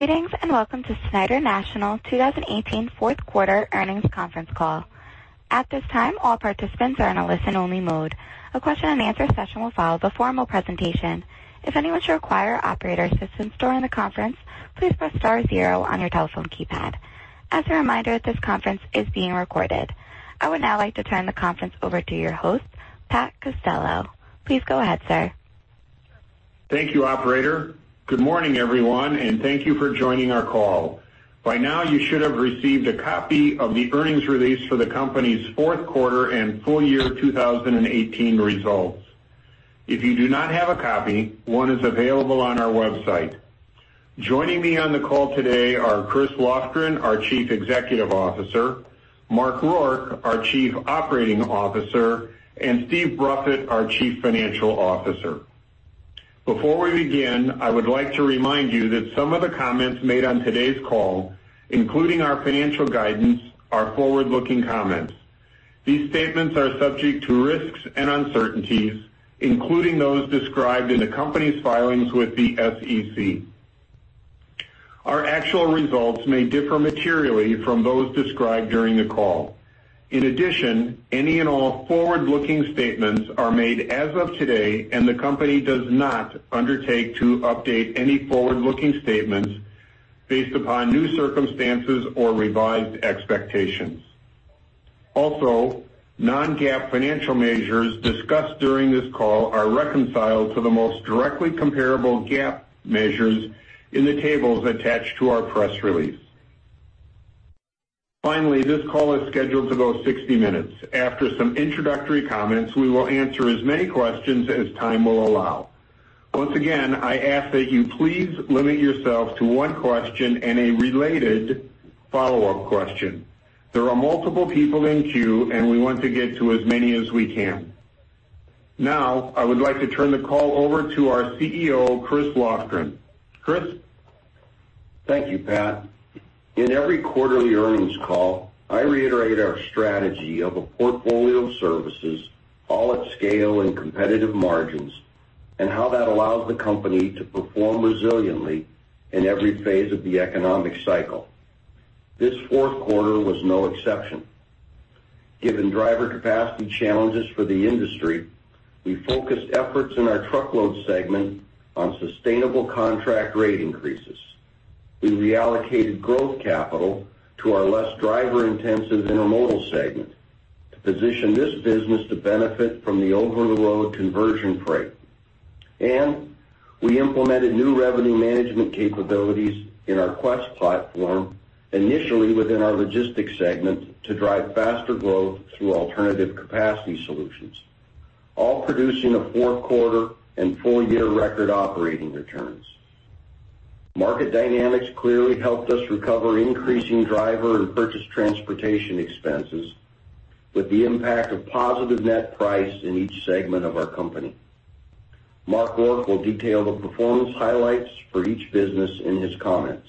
Greetings and welcome to Schneider National 2018 Fourth Quarter Earnings Conference Call. At this time, all participants are in a listen-only mode. A question-and-answer session will follow the formal presentation. If anyone should require operator assistance during the conference, please press star zero on your telephone keypad. As a reminder, this conference is being recorded. I would now like to turn the conference over to your host, Pat Costello. Please go ahead, sir. Thank you, operator. Good morning, everyone, and thank you for joining our call. By now, you should have received a copy of the earnings release for the company's fourth quarter and full year 2018 results. If you do not have a copy, one is available on our website. Joining me on the call today are Chris Lofgren, our Chief Executive Officer, Mark Rourke, our Chief Operating Officer, and Steve Bruffett, our Chief Financial Officer. Before we begin, I would like to remind you that some of the comments made on today's call, including our financial guidance, are forward-looking comments. These statements are subject to risks and uncertainties, including those described in the company's filings with the SEC. Our actual results may differ materially from those described during the call. In addition, any and all forward-looking statements are made as of today, and the company does not undertake to update any forward-looking statements based upon new circumstances or revised expectations. Also, non-GAAP financial measures discussed during this call are reconciled to the most directly comparable GAAP measures in the tables attached to our press release. Finally, this call is scheduled to go 60 minutes. After some introductory comments, we will answer as many questions as time will allow. Once again, I ask that you please limit yourself to one question and a related follow-up question. There are multiple people in queue, and we want to get to as many as we can. Now, I would like to turn the call over to our CEO, Chris Lofgren. Chris? Thank you, Pat. In every quarterly earnings call, I reiterate our strategy of a portfolio of services, all at scale and competitive margins, and how that allows the company to perform resiliently in every phase of the economic cycle. This fourth quarter was no exception. Given driver capacity challenges for the industry, we focused efforts in our truckload segment on sustainable contract rate increases. We reallocated growth capital to our less driver-intensive intermodal segment to position this business to benefit from the over-the-road conversion freight. We implemented new revenue management capabilities in our Quest platform, initially within our logistics segment, to drive faster growth through alternative capacity solutions, all producing a fourth quarter and full year record operating returns. Market dynamics clearly helped us recover increasing driver and purchase transportation expenses with the impact of positive net price in each segment of our company. Mark Rourke will detail the performance highlights for each business in his comments.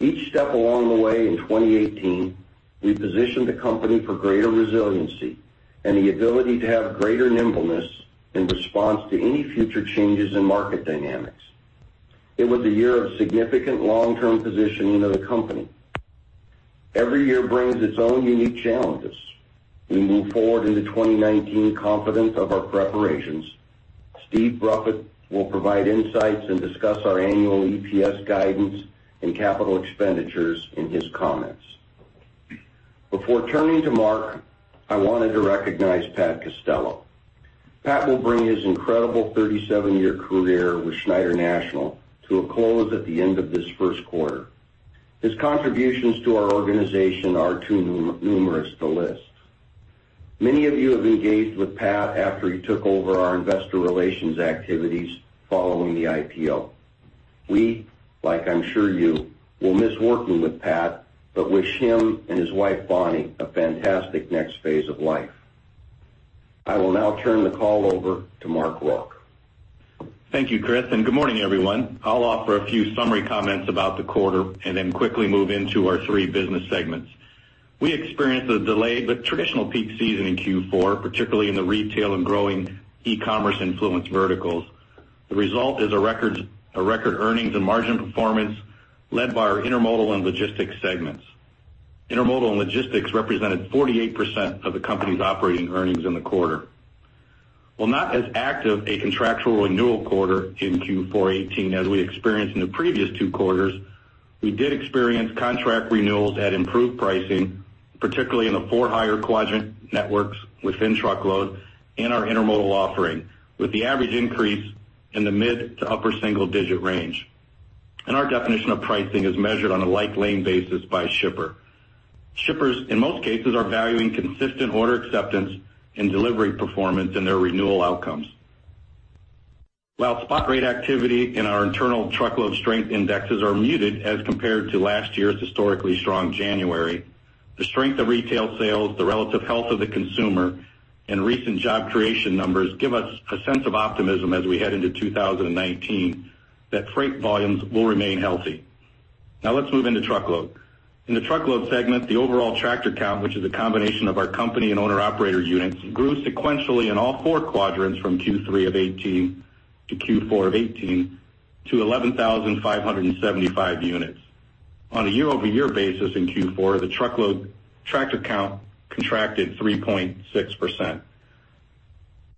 Each step along the way in 2018, we positioned the company for greater resiliency and the ability to have greater nimbleness in response to any future changes in market dynamics. It was a year of significant long-term positioning of the company. Every year brings its own unique challenges. We move forward into 2019 confident of our preparations. Steve Bruffett will provide insights and discuss our annual EPS guidance and capital expenditures in his comments. Before turning to Mark, I wanted to recognize Pat Costello. Pat will bring his incredible 37-year career with Schneider National to a close at the end of this first quarter. His contributions to our organization are too numerous to list. Many of you have engaged with Pat after he took over our investor relations activities following the IPO. We, like I'm sure you, will miss working with Pat but wish him and his wife, Bonnie, a fantastic next phase of life. I will now turn the call over to Mark Rourke. Thank you, Chris, and good morning, everyone. I'll offer a few summary comments about the quarter and then quickly move into our three business segments. We experienced a delayed but traditional peak season in Q4, particularly in the retail and growing e-commerce influence verticals. The result is a record earnings and margin performance led by our intermodal and logistics segments. Intermodal and logistics represented 48% of the company's operating earnings in the quarter. While not as active a contractual renewal quarter in Q4 2018 as we experienced in the previous two quarters, we did experience contract renewals at improved pricing, particularly in the for-hire quadrant networks within truckload and our intermodal offering, with the average increase in the mid to upper single-digit range. Our definition of pricing is measured on a like-lane basis by shipper. Shippers, in most cases, are valuing consistent order acceptance and delivery performance in their renewal outcomes. While spot rate activity and our internal truckload strength indexes are muted as compared to last year's historically strong January, the strength of retail sales, the relative health of the consumer, and recent job creation numbers give us a sense of optimism as we head into 2019 that freight volumes will remain healthy. Now, let's move into truckload. In the truckload segment, the overall tractor count, which is a combination of our company and owner-operator units, grew sequentially in all four quadrants from Q3 of 2018 to Q4 of 2018 to 11,575 units. On a year-over-year basis in Q4, the truckload tractor count contracted 3.6%.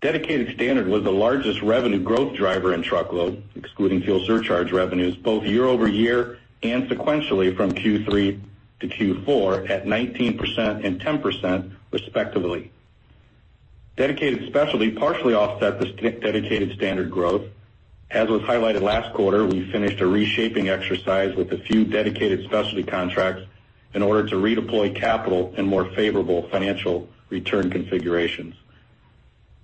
Dedicated Standard was the largest revenue growth driver in truckload, excluding fuel surcharge revenues, both year-over-year and sequentially from Q3 to Q4 at 19% and 10%, respectively. Dedicated Specialty partially offset the Dedicated Standard growth. As was highlighted last quarter, we finished a reshaping exercise with a few Dedicated Specialty contracts in order to redeploy capital in more favorable financial return configurations.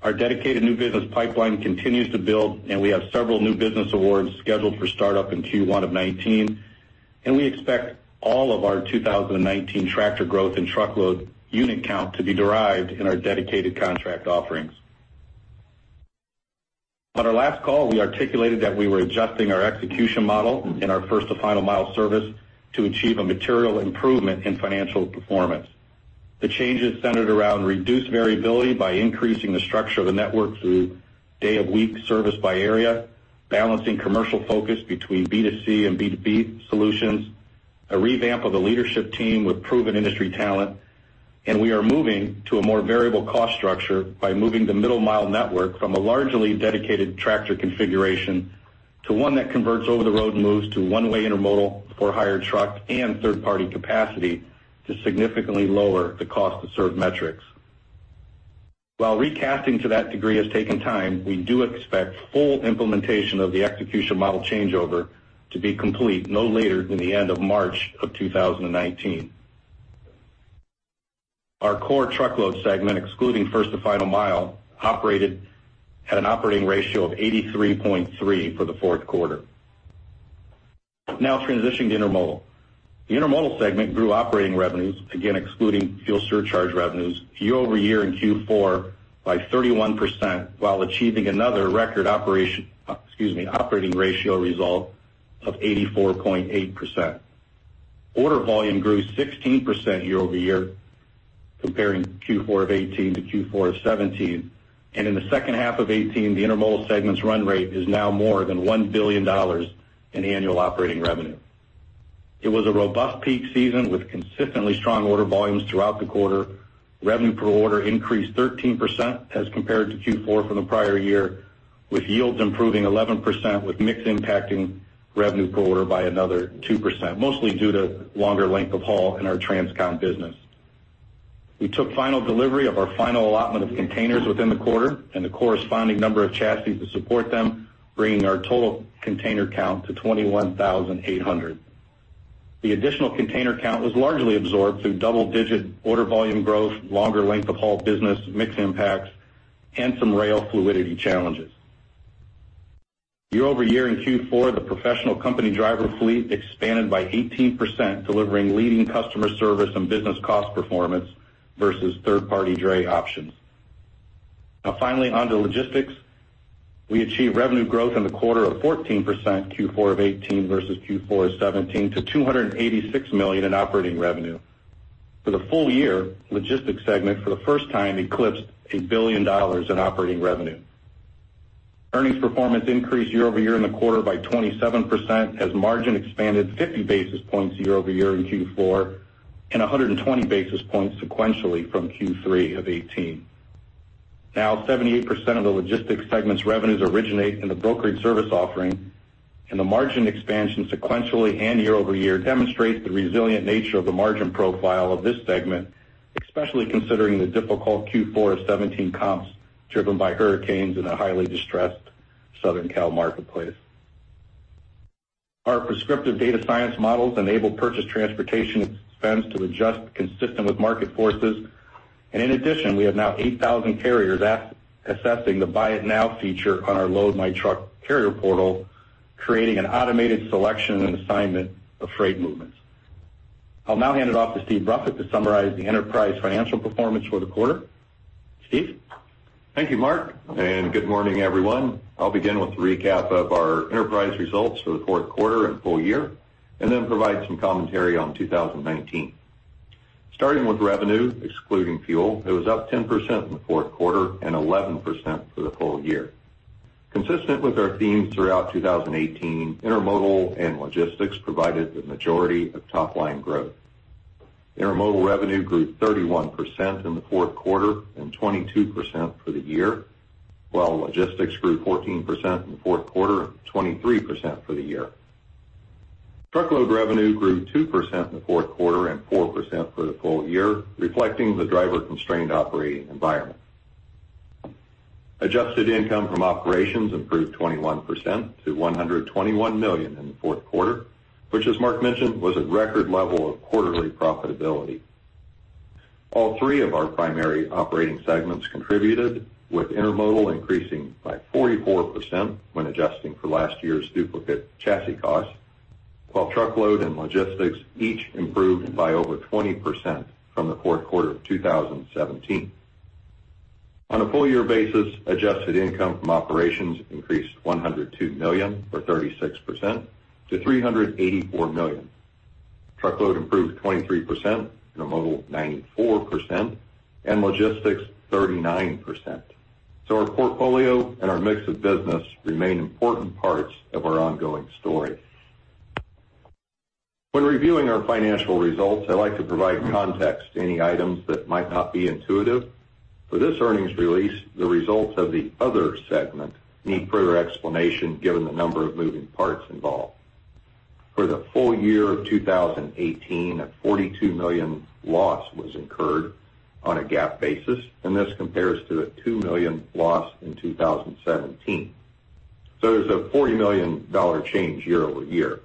Our dedicated new business pipeline continues to build, and we have several new business awards scheduled for startup in Q1 of 2019. And we expect all of our 2019 tractor growth and truckload unit count to be derived in our dedicated contract offerings. On our last call, we articulated that we were adjusting our execution model in our First to Final Mile service to achieve a material improvement in financial performance. The changes centered around reduced variability by increasing the structure of the network through day-of-week service by area, balancing commercial focus between B2C and B2B solutions, a revamp of the leadership team with proven industry talent, and we are moving to a more variable cost structure by moving the middle-mile network from a largely dedicated tractor configuration to one that converts over-the-road moves to one-way intermodal for-hire truck and third-party capacity to significantly lower the cost-to-serve metrics. While recasting to that degree has taken time, we do expect full implementation of the execution model changeover to be complete no later than the end of March of 2019. Our core truckload segment, excluding First to Final Mile, operated at an operating ratio of 83.3 for the fourth quarter. Now transitioning to intermodal. The intermodal segment grew operating revenues, again excluding fuel surcharge revenues, year over year in Q4 by 31% while achieving another record operating ratio result of 84.8%. Order volume grew 16% year-over-year, comparing Q4 of 2018 to Q4 of 2017. In the second half of 2018, the intermodal segment's run rate is now more than $1 billion in annual operating revenue. It was a robust peak season with consistently strong order volumes throughout the quarter. Revenue per order increased 13% as compared to Q4 from the prior year, with yields improving 11% with mix impacting revenue per order by another 2%, mostly due to longer length of haul in our Transcon business. We took final delivery of our final allotment of containers within the quarter and the corresponding number of chassis to support them, bringing our total container count to 21,800. The additional container count was largely absorbed through double-digit order volume growth, longer length of haul business, mix impacts, and some rail fluidity challenges. Year-over-year in Q4, the professional company driver fleet expanded by 18%, delivering leading customer service and business cost performance versus third-party dray options. Now finally, onto logistics. We achieved revenue growth in the quarter of 14% Q4 of 2018 versus Q4 of 2017 to $286 million in operating revenue. For the full year, logistics segment for the first time eclipsed $1 billion in operating revenue. Earnings performance increased year-over-year in the quarter by 27% as margin expanded 50 basis points year-over-year in Q4 and 120 basis points sequentially from Q3 of 2018. Now 78% of the logistics segment's revenues originate in the brokerage service offering, and the margin expansion sequentially and year-over-year demonstrates the resilient nature of the margin profile of this segment, especially considering the difficult Q4 of 2017 comps driven by hurricanes in a highly distressed Southern Cal marketplace. Our prescriptive data science models enable purchase transportation expense to adjust consistent with market forces. And in addition, we have now 8,000 carriers assessing the Buy-It-Now feature on our Load My Truck carrier portal, creating an automated selection and assignment of freight movements. I'll now hand it off to Steve Bruffett to summarize the enterprise financial performance for the quarter. Steve? Thank you, Mark, and good morning, everyone. I'll begin with a recap of our enterprise results for the fourth quarter and full year and then provide some commentary on 2019. Starting with revenue, excluding fuel, it was up 10% in the fourth quarter and 11% for the full year. Consistent with our themes throughout 2018, intermodal and logistics provided the majority of top-line growth. Intermodal revenue grew 31% in the fourth quarter and 22% for the year, while logistics grew 14% in the fourth quarter and 23% for the year. Truckload revenue grew 2% in the fourth quarter and 4% for the full year, reflecting the driver-constrained operating environment. Adjusted income from operations improved 21% to $121 million in the fourth quarter, which, as Mark mentioned, was a record level of quarterly profitability. All three of our primary operating segments contributed, with intermodal increasing by 44% when adjusting for last year's duplicate chassis costs, while truckload and logistics each improved by over 20% from the fourth quarter of 2017. On a full-year basis, adjusted income from operations increased $102 million, or 36%, to $384 million. Truckload improved 23%, intermodal 94%, and logistics 39%. So our portfolio and our mix of business remain important parts of our ongoing story. When reviewing our financial results, I like to provide context to any items that might not be intuitive. For this earnings release, the results of the other segment need further explanation given the number of moving parts involved. For the full year of 2018, a $42 million loss was incurred on a GAAP basis, and this compares to a $2 million loss in 2017. So there's a $40 million change year-over-year.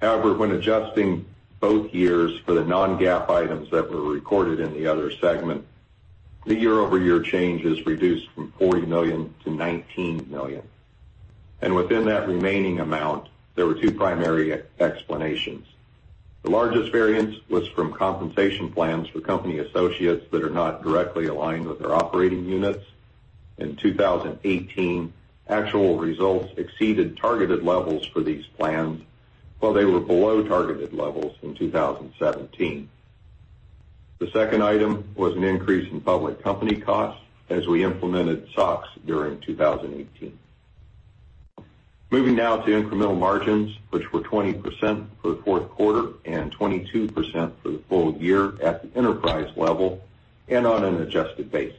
However, when adjusting both years for the Non-GAAP items that were recorded in the other segment, the year-over-year change is reduced from $40 million to $19 million. Within that remaining amount, there were two primary explanations. The largest variance was from compensation plans for company associates that are not directly aligned with their operating units. In 2018, actual results exceeded targeted levels for these plans, while they were below targeted levels in 2017. The second item was an increase in public company costs as we implemented SOX during 2018. Moving now to incremental margins, which were 20% for the fourth quarter and 22% for the full year at the enterprise level and on an adjusted basis.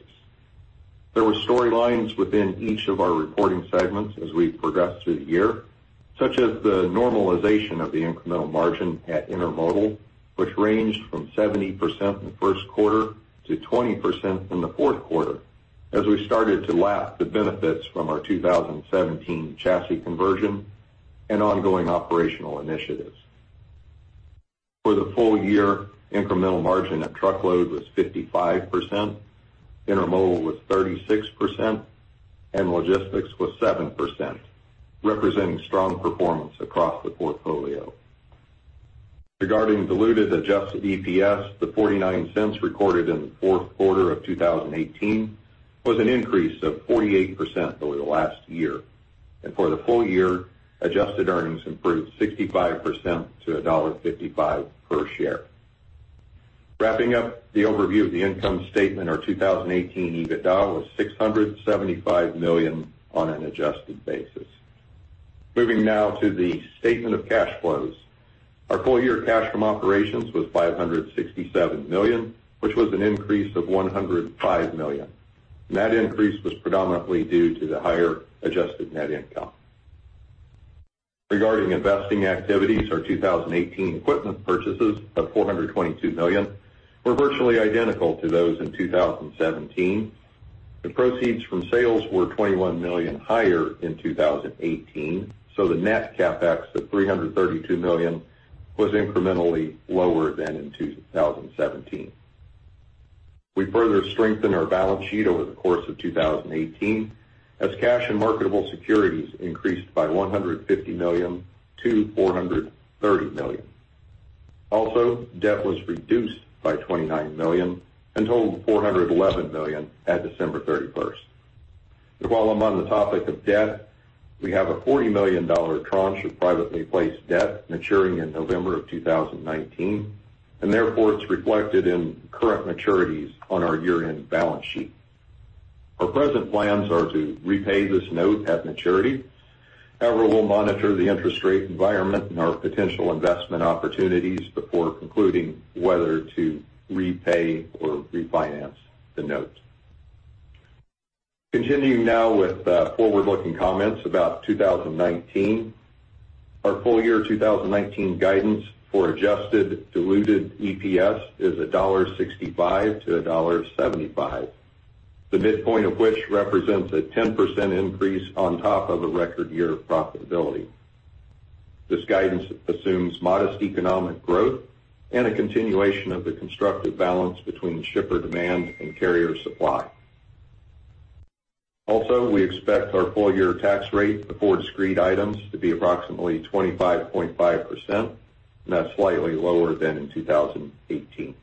There were storylines within each of our reporting segments as we progressed through the year, such as the normalization of the incremental margin at intermodal, which ranged from 70% in the first quarter to 20% in the fourth quarter as we started to lap the benefits from our 2017 chassis conversion and ongoing operational initiatives. For the full year, incremental margin at truckload was 55%, intermodal was 36%, and logistics was 7%, representing strong performance across the portfolio. Regarding diluted adjusted EPS, the 0.49 recorded in the fourth quarter of 2018 was an increase of 48% over the last year. For the full year, adjusted earnings improved 65% to $1.55 per share. Wrapping up the overview of the income statement, our 2018 EBITDA was $675 million on an adjusted basis. Moving now to the statement of cash flows. Our full-year cash from operations was $567 million, which was an increase of $105 million. That increase was predominantly due to the higher adjusted net income. Regarding investing activities, our 2018 equipment purchases of $422 million were virtually identical to those in 2017. The proceeds from sales were $21 million higher in 2018, so the net CapEx of $332 million was incrementally lower than in 2017. We further strengthened our balance sheet over the course of 2018 as cash and marketable securities increased by $150 million to $430 million. Also, debt was reduced by $29 million and totaled $411 million at December 31st. While I'm on the topic of debt, we have a $40 million tranche of privately placed debt maturing in November of 2019, and therefore it's reflected in current maturities on our year-end balance sheet. Our present plans are to repay this note at maturity. However, we'll monitor the interest rate environment and our potential investment opportunities before concluding whether to repay or refinance the note. Continuing now with forward-looking comments about 2019. Our full-year 2019 guidance for adjusted diluted EPS is $1.65-$1.75, the midpoint of which represents a 10% increase on top of a record year of profitability. This guidance assumes modest economic growth and a continuation of the constructive balance between shipper demand and carrier supply. Also, we expect our full-year tax rate before discrete items to be approximately 25.5%, and that's slightly lower than in 2018.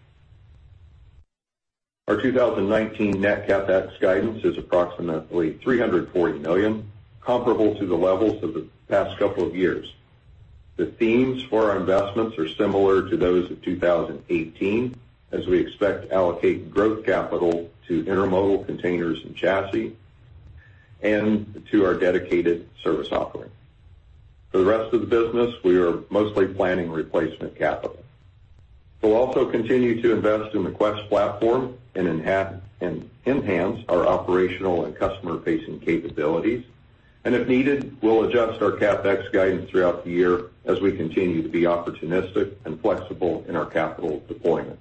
Our 2019 net CapEx guidance is approximately $340 million, comparable to the levels of the past couple of years. The themes for our investments are similar to those of 2018, as we expect to allocate growth capital to intermodal containers and chassis and to our dedicated service offering. For the rest of the business, we are mostly planning replacement capital. We'll also continue to invest in the Quest platform and enhance our operational and customer-facing capabilities. If needed, we'll adjust our CapEx guidance throughout the year as we continue to be opportunistic and flexible in our capital deployment.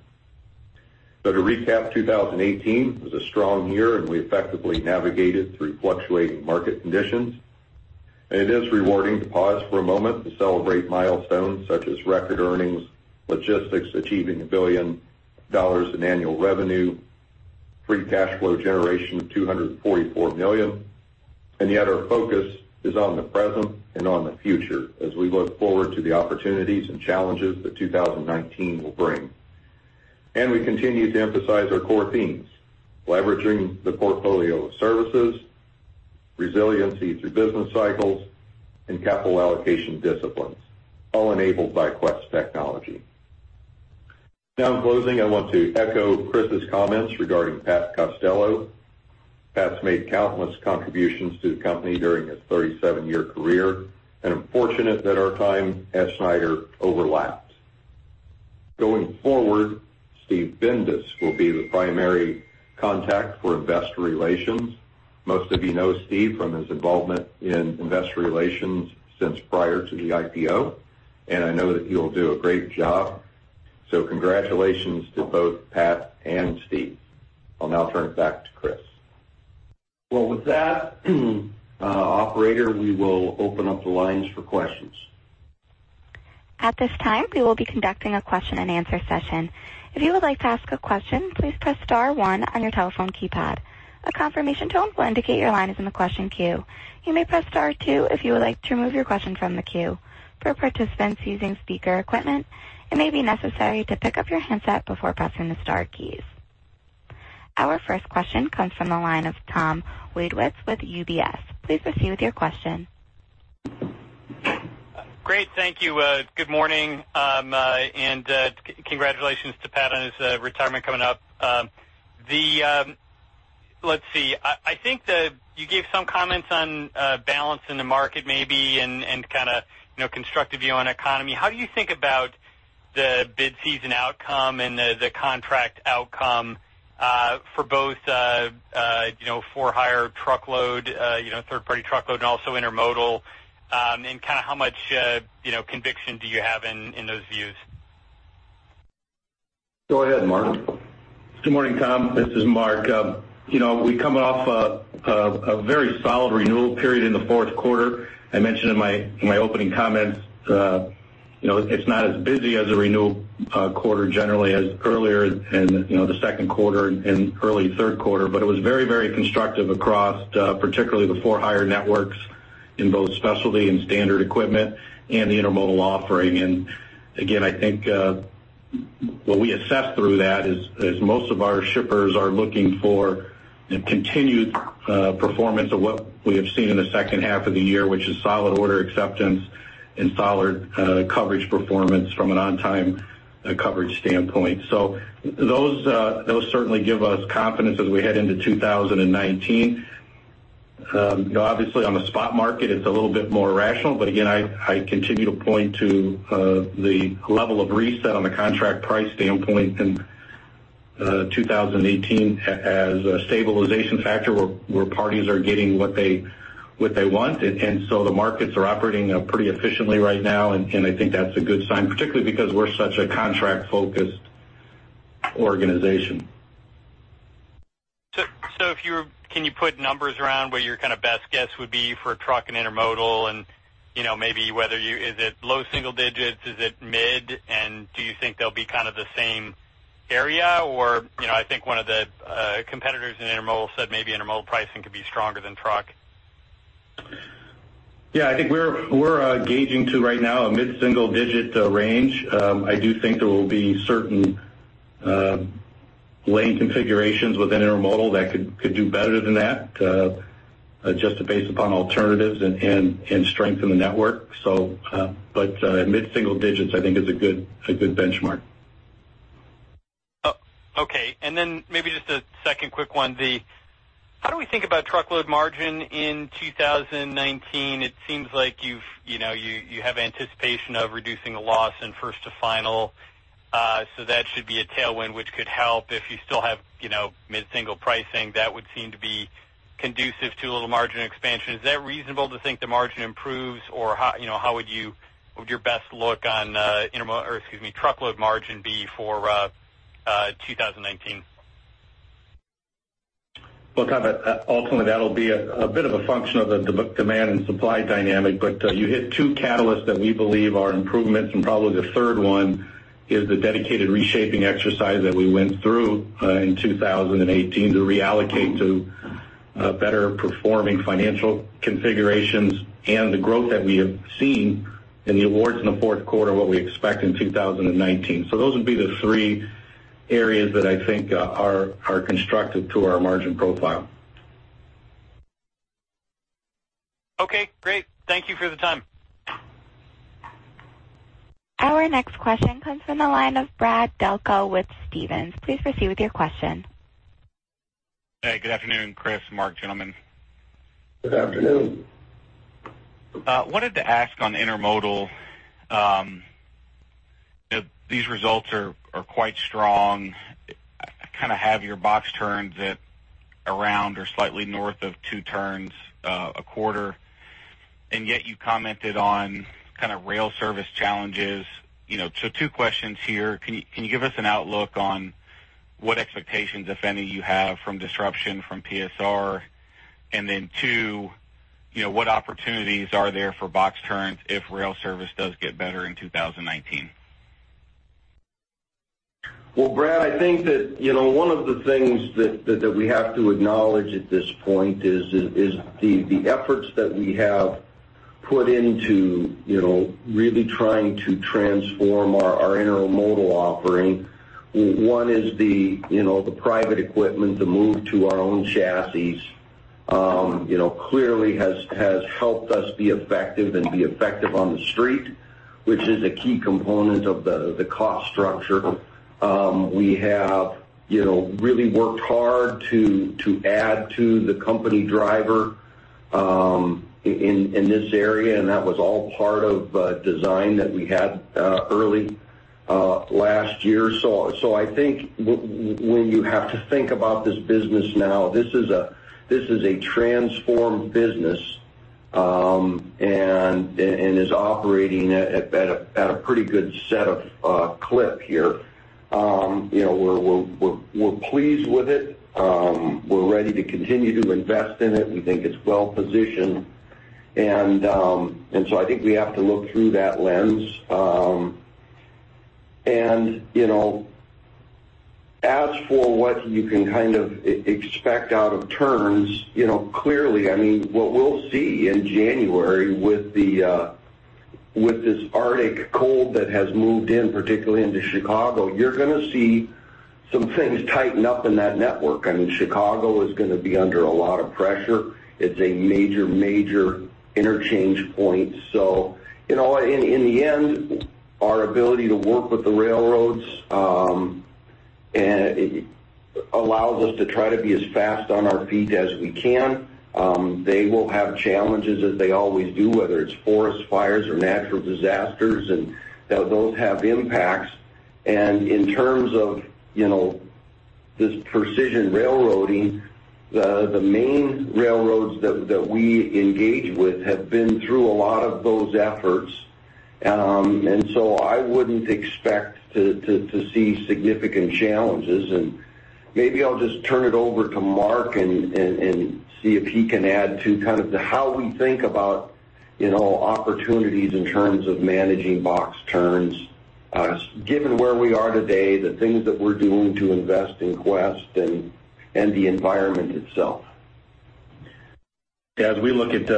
So to recap, 2018 was a strong year, and we effectively navigated through fluctuating market conditions. It is rewarding to pause for a moment to celebrate milestones such as record earnings, logistics achieving a billion dollar in annual revenue, free cash flow generation of $244 million. Yet our focus is on the present and on the future as we look forward to the opportunities and challenges that 2019 will bring. We continue to emphasize our core themes, leveraging the portfolio of services, resiliency through business cycles, and capital allocation disciplines, all enabled by Quest technology. Now in closing, I want to echo Chris's comments regarding Pat Costello. Pat's made countless contributions to the company during his 37-year career, and I'm fortunate that our time at Schneider overlapped. Going forward, Steve Bindas will be the primary contact for investor relations. Most of you know Steve from his involvement in investor relations since prior to the IPO, and I know that he'll do a great job. So congratulations to both Pat and Steve. I'll now turn it back to Chris. Well, with that, operator, we will open up the lines for questions. At this time, we will be conducting a question-and-answer session. If you would like to ask a question, please press star one on your telephone keypad. A confirmation tone will indicate your line is in the question queue. You may press star two if you would like to remove your question from the queue. For participants using speaker equipment, it may be necessary to pick up your handset before pressing the star keys. Our first question comes from the line of Tom Wadewitz with UBS. Please proceed with your question. Great. Thank you. Good morning. Congratulations to Pat on his retirement coming up. Let's see. I think you gave some comments on balance in the market maybe and kind of constructive view on economy. How do you think about the bid season outcome and the contract outcome for both for-hire truckload, third-party truckload, and also intermodal, and kind of how much conviction do you have in those views? Go ahead, Mark. Good morning, Tom. This is Mark. We're coming off a very solid renewal period in the fourth quarter. I mentioned in my opening comments it's not as busy as a renewal quarter generally as earlier in the second quarter and early third quarter. But it was very, very constructive across, particularly the for-hire networks in both specialty and standard equipment and the intermodal offering. And again, I think what we assess through that is most of our shippers are looking for continued performance of what we have seen in the second half of the year, which is solid order acceptance and solid coverage performance from an on-time coverage standpoint. So those certainly give us confidence as we head into 2019. Obviously, on the spot market, it's a little bit more rational. But again, I continue to point to the level of reset on the contract price standpoint in 2018 as a stabilization factor where parties are getting what they want. And so the markets are operating pretty efficiently right now, and I think that's a good sign, particularly because we're such a contract-focused organization. Can you put numbers around what your kind of best guess would be for truck and intermodal and maybe whether is it low single digits, is it mid, and do you think they'll be kind of the same area? Or I think one of the competitors in intermodal said maybe intermodal pricing could be stronger than truck. Yeah. I think we're going to right now a mid-single digit range. I do think there will be certain lane configurations within intermodal that could do better than that just based upon alternatives and strength in the network. But mid-single digits, I think, is a good benchmark. Okay. And then maybe just a second quick one. How do we think about truckload margin in 2019? It seems like you have anticipation of reducing the loss in First to Final. So that should be a tailwind, which could help. If you still have mid-single pricing, that would seem to be conducive to a little margin expansion. Is that reasonable to think the margin improves, or how would your best look on or excuse me, truckload margin be for 2019? Well, Tom, ultimately, that'll be a bit of a function of the demand and supply dynamic. But you hit two catalysts that we believe are improvements. And probably the third one is the dedicated reshaping exercise that we went through in 2018 to reallocate to better performing financial configurations and the growth that we have seen in the awards in the fourth quarter and what we expect in 2019. So those would be the three areas that I think are constructive to our margin profile. Okay. Great. Thank you for the time. Our next question comes from the line of Brad Delco with Stephens. Please proceed with your question. Hey. Good afternoon, Chris, Mark, gentlemen. Good afternoon. I wanted to ask on intermodal. These results are quite strong. I kind of have your box turned around or slightly north of 2 turns a quarter. And yet you commented on kind of rail service challenges. So 2 questions here. Can you give us an outlook on what expectations, if any, you have from disruption from PSR? And then two, what opportunities are there for box turns if rail service does get better in 2019? Well, Brad, I think that one of the things that we have to acknowledge at this point is the efforts that we have put into really trying to transform our intermodal offering. One is the private equipment, the move to our own chassis, clearly has helped us be effective and be effective on the street, which is a key component of the cost structure. We have really worked hard to add to the company driver in this area, and that was all part of design that we had early last year. So I think when you have to think about this business now, this is a transformed business and is operating at a pretty good set of clip here. We're pleased with it. We're ready to continue to invest in it. We think it's well-positioned. And so I think we have to look through that lens. As for what you can kind of expect out of turns, clearly, I mean, what we'll see in January with this Arctic cold that has moved in, particularly into Chicago, you're going to see some things tighten up in that network. I mean, Chicago is going to be under a lot of pressure. It's a major, major interchange point. So in the end, our ability to work with the railroads allows us to try to be as fast on our feet as we can. They will have challenges as they always do, whether it's forest fires or natural disasters, and those have impacts. In terms of this precision railroading, the main railroads that we engage with have been through a lot of those efforts. So I wouldn't expect to see significant challenges. Maybe I'll just turn it over to Mark and see if he can add to kind of how we think about opportunities in terms of managing box turns, given where we are today, the things that we're doing to invest in Quest and the environment itself. Yeah. As we look at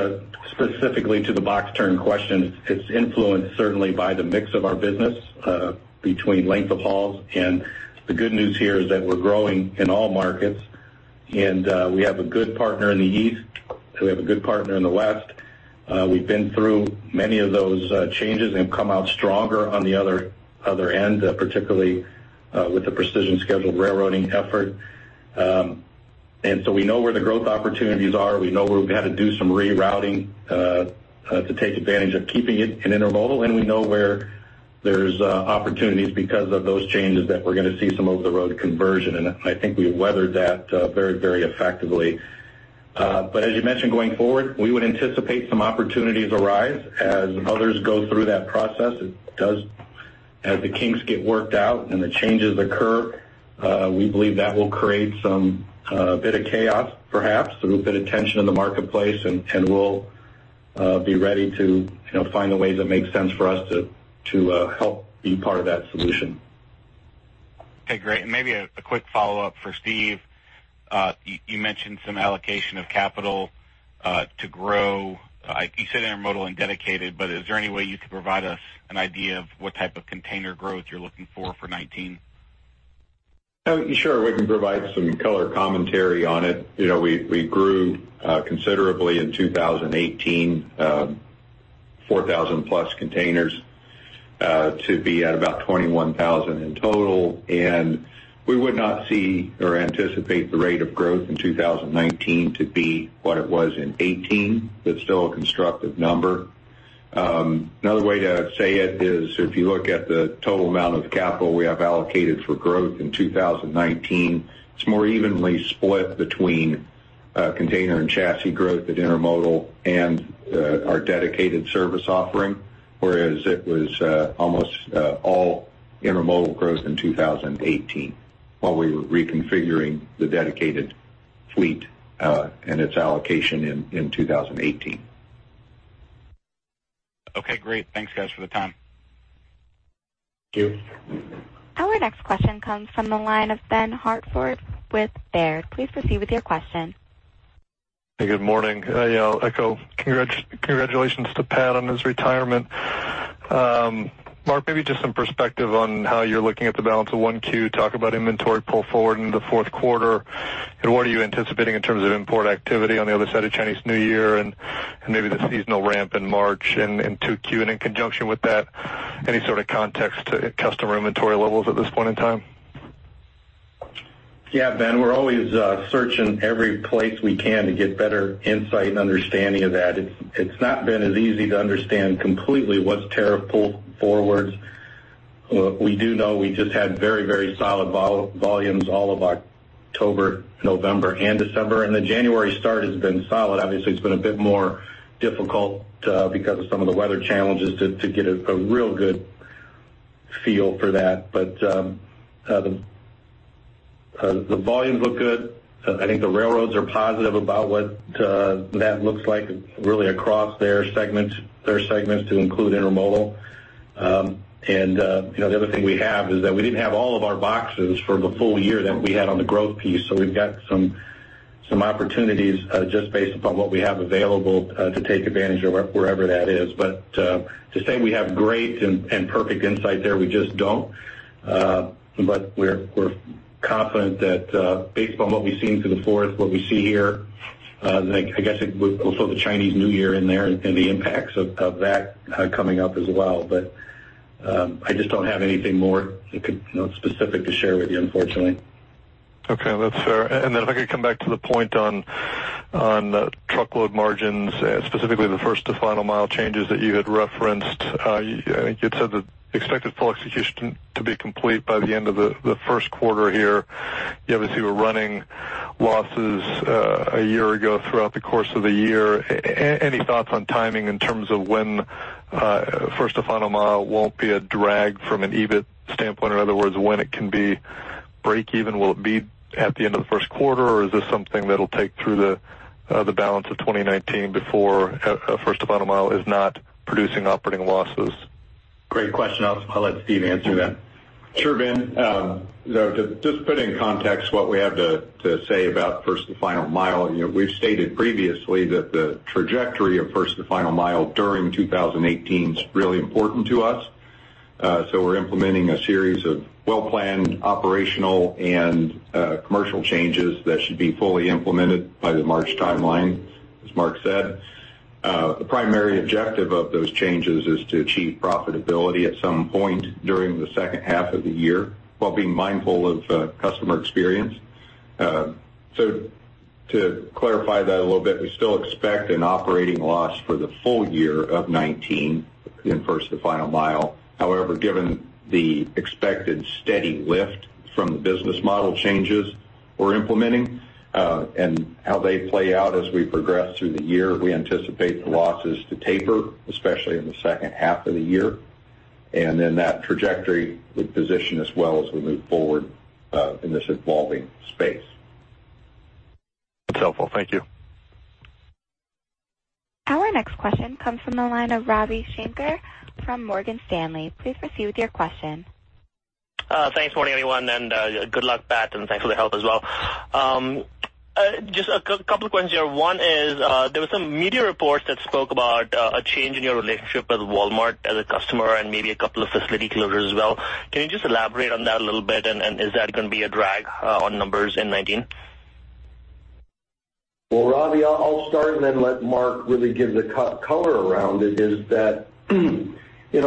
specifically to the box turn question, it's influenced certainly by the mix of our business between length of hauls. And the good news here is that we're growing in all markets. And we have a good partner in the East. We have a good partner in the West. We've been through many of those changes and come out stronger on the other end, particularly with the Precision Scheduled Railroading effort. And so we know where the growth opportunities are. We know where we've had to do some rerouting to take advantage of keeping it in intermodal. And we know where there's opportunities because of those changes that we're going to see some over-the-road conversion. And I think we've weathered that very, very effectively. But as you mentioned, going forward, we would anticipate some opportunities arise as others go through that process. As the kinks get worked out and the changes occur, we believe that will create some bit of chaos, perhaps, a bit of tension in the marketplace. We'll be ready to find the ways that make sense for us to help be part of that solution. Okay. Great. And maybe a quick follow-up for Steve. You mentioned some allocation of capital to grow. You said intermodal and dedicated, but is there any way you could provide us an idea of what type of container growth you're looking for for 2019? Oh, sure. We can provide some color commentary on it. We grew considerably in 2018, 4,000+ containers to be at about 21,000 in total. And we would not see or anticipate the rate of growth in 2019 to be what it was in 2018. That's still a constructive number. Another way to say it is if you look at the total amount of capital we have allocated for growth in 2019, it's more evenly split between container and chassis growth at intermodal and our dedicated service offering, whereas it was almost all intermodal growth in 2018 while we were reconfiguring the dedicated fleet and its allocation in 2018. Okay. Great. Thanks, guys, for the time. Thank you. Our next question comes from the line of Ben Hartford with Baird. Please proceed with your question. Hey. Good morning, everyone. Congratulations to Pat on his retirement. Mark, maybe just some perspective on how you're looking at the balance of Q1. Talk about inventory pull forward into the fourth quarter. And what are you anticipating in terms of import activity on the other side of Chinese New Year and maybe the seasonal ramp in March and Q2? And in conjunction with that, any sort of context to customer inventory levels at this point in time? Yeah, Ben. We're always searching every place we can to get better insight and understanding of that. It's not been as easy to understand completely what's tariff pull forwards. We do know we just had very, very solid volumes all of October, November, and December. The January start has been solid. Obviously, it's been a bit more difficult because of some of the weather challenges to get a real good feel for that. But the volumes look good. I think the railroads are positive about what that looks like really across their segments to include intermodal. The other thing we have is that we didn't have all of our boxes for the full year that we had on the growth piece. So we've got some opportunities just based upon what we have available to take advantage of wherever that is. But to say we have great and perfect insight there, we just don't. But we're confident that based upon what we've seen through the fourth, what we see here, I guess we'll throw the Chinese New Year in there and the impacts of that coming up as well. But I just don't have anything more specific to share with you, unfortunately. Okay. That's fair. And then if I could come back to the point on truckload margins, specifically the First to Final Mile changes that you had referenced, I think you had said that expected full execution to be complete by the end of the first quarter here. You obviously were running losses a year ago throughout the course of the year. Any thoughts on timing in terms of when First to Final Mile won't be a drag from an EBIT standpoint? In other words, when it can be break-even, will it be at the end of the first quarter, or is this something that'll take through the balance of 2019 before First to Final Mile is not producing operating losses? Great question. I'll let Steve answer that. Sure, Ben. So to just put in context what we have to say about First to Final Mile, we've stated previously that the trajectory of First to Final Mile during 2018 is really important to us. So we're implementing a series of well-planned operational and commercial changes that should be fully implemented by the March timeline, as Mark said. The primary objective of those changes is to achieve profitability at some point during the second half of the year while being mindful of customer experience. So to clarify that a little bit, we still expect an operating loss for the full year of 2019 in First to Final Mile. However, given the expected steady lift from the business model changes we're implementing and how they play out as we progress through the year, we anticipate the losses to taper, especially in the second half of the year. And then that trajectory would position as well as we move forward in this evolving space. That's helpful. Thank you. Our next question comes from the line of Ravi Shanker from Morgan Stanley. Please proceed with your question. Good morning, everyone. And good luck, Pat, and thanks for the help as well. Just a couple of questions here. One is there were some media reports that spoke about a change in your relationship with Walmart as a customer and maybe a couple of facility closures as well. Can you just elaborate on that a little bit? And is that going to be a drag on numbers in 2019? Well, Ravi, I'll start and then let Mark really give the color around it. That is,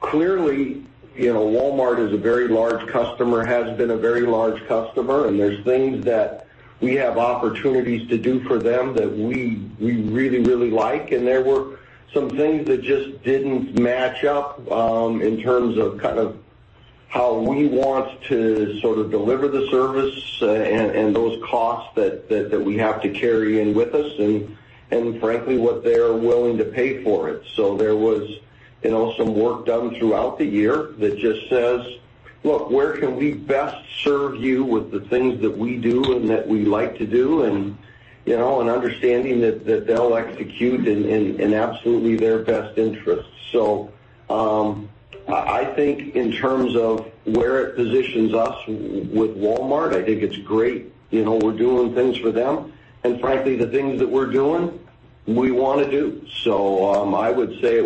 clearly, Walmart is a very large customer, has been a very large customer. There's things that we have opportunities to do for them that we really, really like. There were some things that just didn't match up in terms of kind of how we want to sort of deliver the service and those costs that we have to carry in with us and frankly, what they're willing to pay for it. So there was some work done throughout the year that just says, "Look, where can we best serve you with the things that we do and that we like to do and understanding that they'll execute in absolutely their best interests?" So I think in terms of where it positions us with Walmart, I think it's great. We're doing things for them. Frankly, the things that we're doing, we want to do. So I would say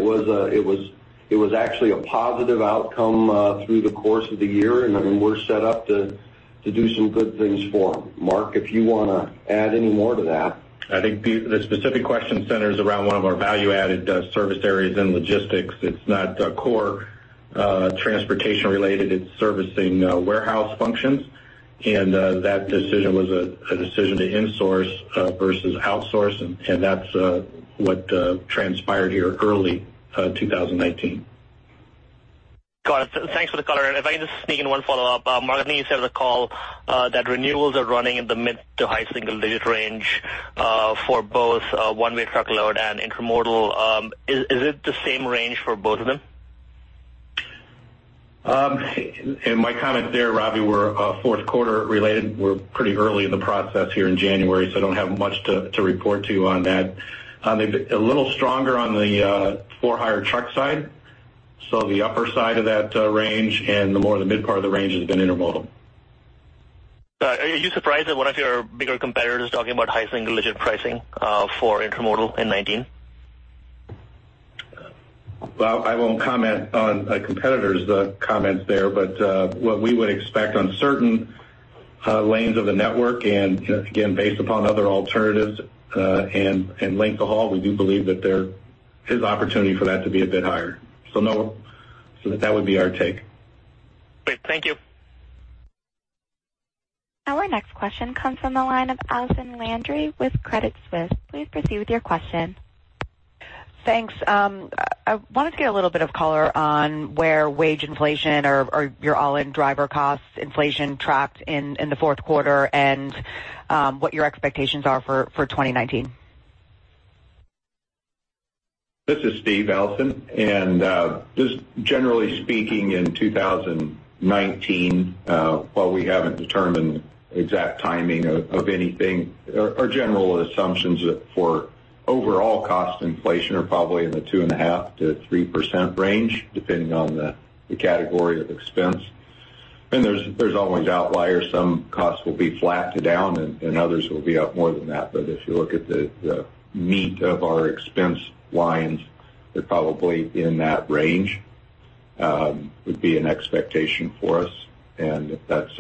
it was actually a positive outcome through the course of the year. And we're set up to do some good things for them. Mark, if you want to add any more to that. I think the specific question centers around one of our value-added service areas in logistics. It's not core transportation-related. It's servicing warehouse functions. That decision was a decision to insource versus outsource. That's what transpired here early 2019. Got it. Thanks for the color. If I can just sneak in one follow-up. Mark, I think you said on the call that renewals are running in the mid- to high single-digit range for both one-way truckload and intermodal. Is it the same range for both of them? My comment there, Ravi, were fourth-quarter-related. We're pretty early in the process here in January, so I don't have much to report to you on that. They've been a little stronger on the for-hire truck side, so the upper side of that range. And the more the mid part of the range has been intermodal. Are you surprised that one of your bigger competitors is talking about high single-digit pricing for intermodal in 2019? Well, I won't comment on competitors' comments there. But what we would expect on certain lanes of the network and again, based upon other alternatives and length of haul, we do believe that there is opportunity for that to be a bit higher. So that would be our take. Great. Thank you. Our next question comes from the line of Allison Landry with Credit Suisse. Please proceed with your question. Thanks. I wanted to get a little bit of color on where wage inflation or your all-in driver cost inflation tracked in the fourth quarter and what your expectations are for 2019? This is Steve, Alison. Just generally speaking, in 2019, while we haven't determined the exact timing of anything, our general assumptions for overall cost inflation are probably in the 2.5%-3% range, depending on the category of expense. There's always outliers. Some costs will be flat to down, and others will be up more than that. But if you look at the meat of our expense lines, they're probably in that range. It would be an expectation for us. That's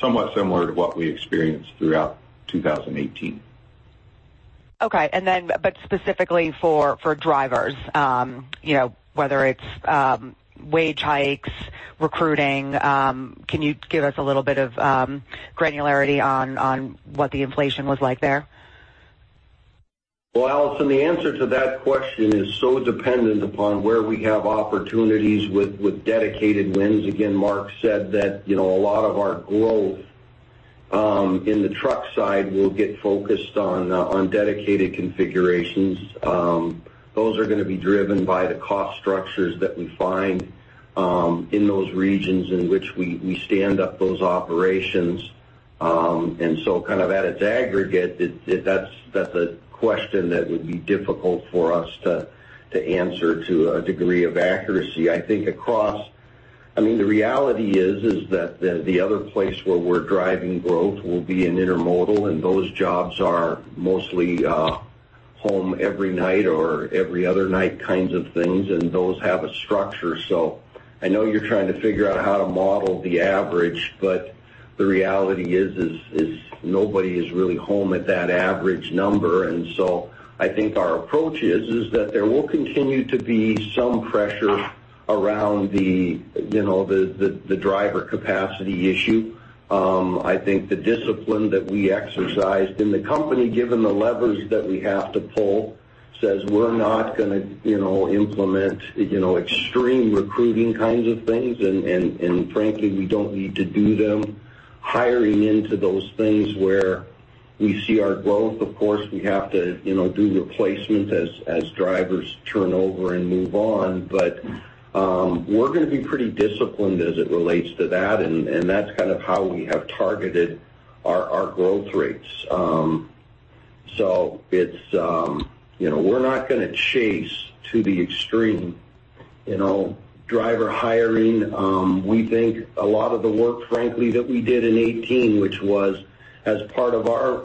somewhat similar to what we experienced throughout 2018. Okay. But specifically for drivers, whether it's wage hikes, recruiting, can you give us a little bit of granularity on what the inflation was like there? Well, Alison, the answer to that question is so dependent upon where we have opportunities with dedicated wins. Again, Mark said that a lot of our growth in the truck side will get focused on dedicated configurations. Those are going to be driven by the cost structures that we find in those regions in which we stand up those operations. And so kind of at its aggregate, that's a question that would be difficult for us to answer to a degree of accuracy. I mean, the reality is that the other place where we're driving growth will be in intermodal. And those jobs are mostly home every night or every other night kinds of things. And those have a structure. So I know you're trying to figure out how to model the average. But the reality is nobody is really home at that average number. I think our approach is that there will continue to be some pressure around the driver capacity issue. I think the discipline that we exercised in the company, given the levers that we have to pull, says we're not going to implement extreme recruiting kinds of things. Frankly, we don't need to do them. Hiring into those things where we see our growth, of course, we have to do replacements as drivers turn over and move on. We're going to be pretty disciplined as it relates to that. That's kind of how we have targeted our growth rates. We're not going to chase to the extreme. Driver hiring, we think a lot of the work, frankly, that we did in 2018, which was as part of our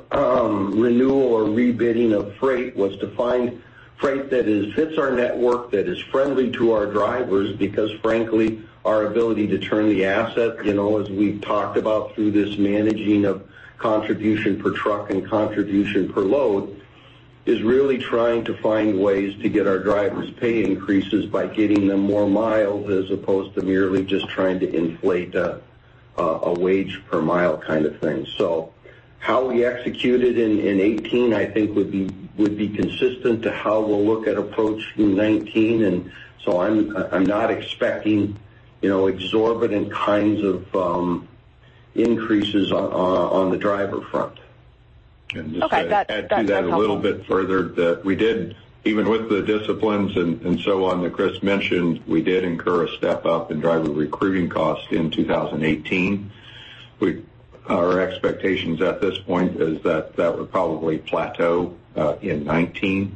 renewal or rebidding of freight, was to find freight that fits our network, that is friendly to our drivers because, frankly, our ability to turn the asset, as we've talked about through this managing of contribution per truck and contribution per load, is really trying to find ways to get our drivers' pay increases by getting them more miles as opposed to merely just trying to inflate a wage per mile kind of thing. So how we executed in 2018, I think, would be consistent to how we'll look at approach in 2019. And so I'm not expecting exorbitant kinds of increases on the driver front. And just to add to that a little bit further, even with the disciplines and so on that Chris mentioned, we did incur a step up in driver recruiting costs in 2018. Our expectations at this point is that that would probably plateau in 2019.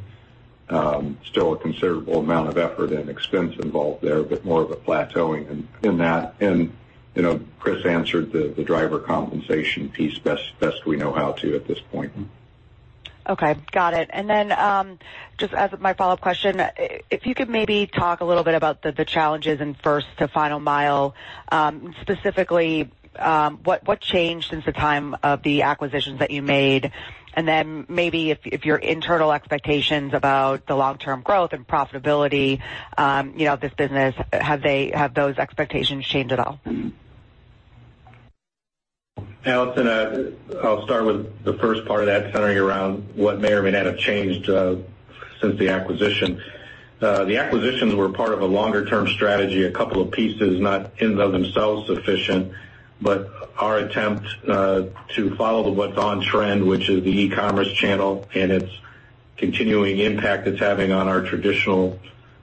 Still a considerable amount of effort and expense involved there, but more of a plateauing in that. And Chris answered the driver compensation piece best we know how to at this point. Okay. Got it. And then just as my follow-up question, if you could maybe talk a little bit about the challenges in First to Final Mile, specifically, what changed since the time of the acquisitions that you made? And then maybe if your internal expectations about the long-term growth and profitability of this business, have those expectations changed at all? Alison, I'll start with the first part of that centering around what may or may not have changed since the acquisition. The acquisitions were part of a longer-term strategy, a couple of pieces not in and of themselves sufficient, but our attempt to follow what's on trend, which is the e-commerce channel and its continuing impact it's having on our traditional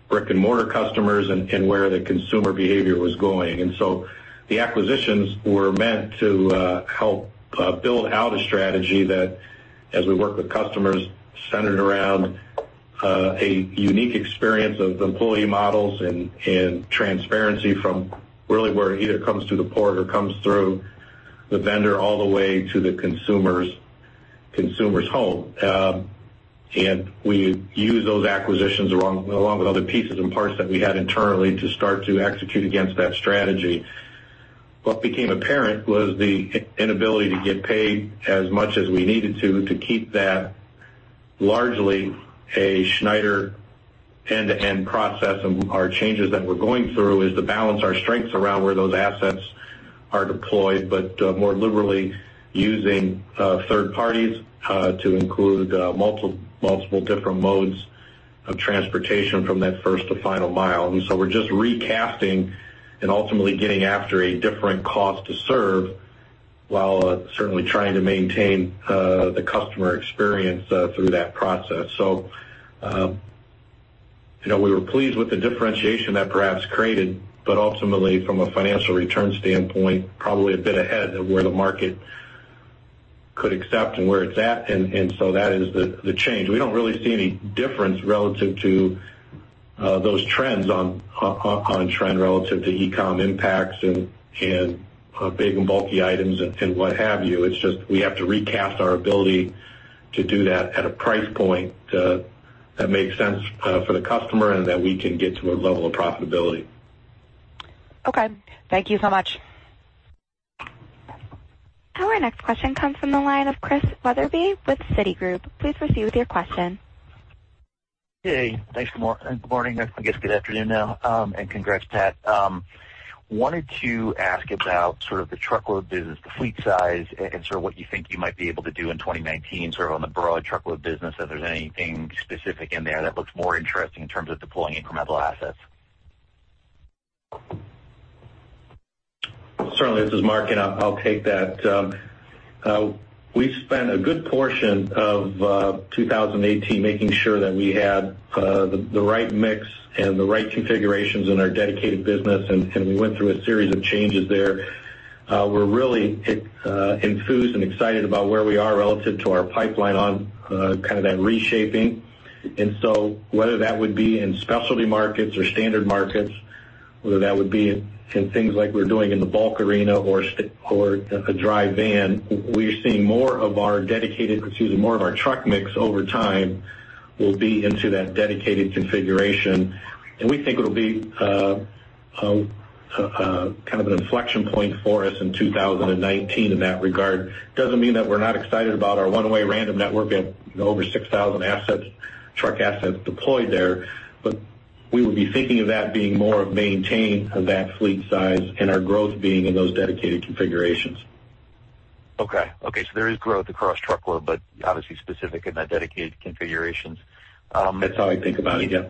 brick-and-mortar customers and where the consumer behavior was going. And so the acquisitions were meant to help build out a strategy that, as we work with customers, centered around a unique experience of employee models and transparency from really where it either comes through the port or comes through the vendor all the way to the consumer's home. And we used those acquisitions along with other pieces and parts that we had internally to start to execute against that strategy. What became apparent was the inability to get paid as much as we needed to to keep that largely a Schneider end-to-end process. And our changes that we're going through is to balance our strengths around where those assets are deployed, but more liberally using third parties to include multiple different modes of transportation from that First to Final Mile. And so we're just recasting and ultimately getting after a different cost to serve while certainly trying to maintain the customer experience through that process. So we were pleased with the differentiation that perhaps created, but ultimately, from a financial return standpoint, probably a bit ahead of where the market could accept and where it's at. And so that is the change. We don't really see any difference relative to those trends on trend relative to e-com impacts and big and bulky items and what have you. It's just we have to recast our ability to do that at a price point that makes sense for the customer and that we can get to a level of profitability. Okay. Thank you so much. Our next question comes from the line of Chris Wetherbee with Citigroup. Please proceed with your question. Hey. Thanks, morning. I guess good afternoon now. Congrats, Pat. Wanted to ask about sort of the truckload business, the fleet size, and sort of what you think you might be able to do in 2019 sort of on the broad truckload business, if there's anything specific in there that looks more interesting in terms of deploying incremental assets. Certainly. This is Mark. I'll take that. We spent a good portion of 2018 making sure that we had the right mix and the right configurations in our dedicated business. We went through a series of changes there. We're really enthused and excited about where we are relative to our pipeline on kind of that reshaping. So whether that would be in specialty markets or standard markets, whether that would be in things like we're doing in the bulk arena or a dry van, we're seeing more of our dedicated, excuse me, more of our truck mix over time will be into that dedicated configuration. We think it'll be kind of an inflection point for us in 2019 in that regard. It doesn't mean that we're not excited about our one-way random network. We have over 6,000 truck assets deployed there. We would be thinking of that being more of maintaining that fleet size and our growth being in those dedicated configurations. There is growth across truckload, but obviously specific in that dedicated configurations. That's how I think about it. Yeah.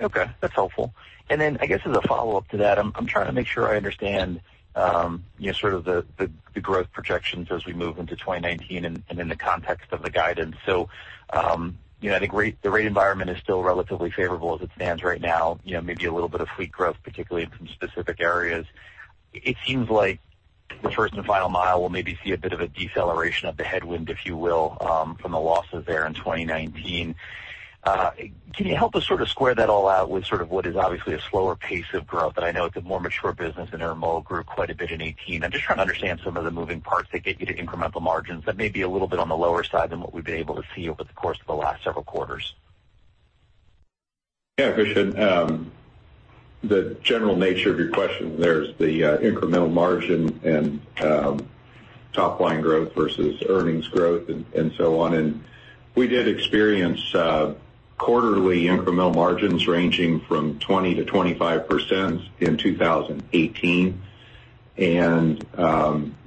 Okay. That's helpful. And then I guess as a follow-up to that, I'm trying to make sure I understand sort of the growth projections as we move into 2019 and in the context of the guidance. So I think the rate environment is still relatively favorable as it stands right now, maybe a little bit of fleet growth, particularly in some specific areas. It seems like the First to Final Mile will maybe see a bit of a deceleration of the headwind, if you will, from the losses there in 2019. Can you help us sort of square that all out with sort of what is obviously a slower pace of growth? And I know it's a more mature business. And Intermodal grew quite a bit in 2018. I'm just trying to understand some of the moving parts that get you to incremental margins that may be a little bit on the lower side than what we've been able to see over the course of the last several quarters. Yeah. I appreciate the general nature of your question there, the incremental margin and top-line growth versus earnings growth and so on. We did experience quarterly incremental margins ranging from 20%-25% in 2018.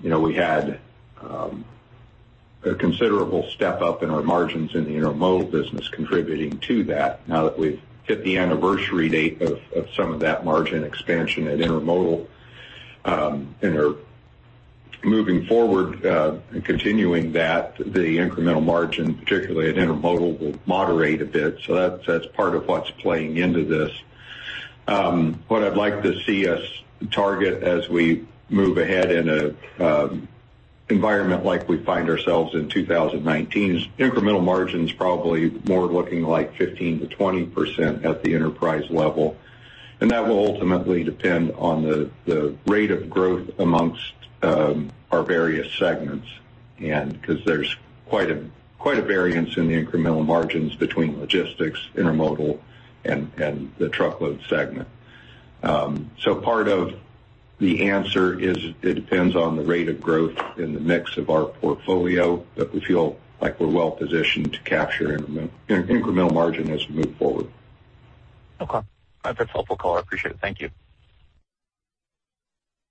We had a considerable step up in our margins in the Intermodal business contributing to that now that we've hit the anniversary date of some of that margin expansion at intermodal. Moving forward and continuing that, the incremental margin, particularly at intermodal, will moderate a bit. So that's part of what's playing into this. What I'd like to see us target as we move ahead in an environment like we find ourselves in 2019 is incremental margins, probably more looking like 15%-20% at the enterprise level. That will ultimately depend on the rate of growth among our various segments because there's quite a variance in the incremental margins between logistics, intermodal, and the truckload segment. Part of the answer is it depends on the rate of growth in the mix of our portfolio, but we feel like we're well-positioned to capture incremental margin as we move forward. Okay. That's helpful, color. I appreciate it. Thank you.